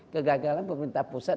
kegagalan pemerintah pusat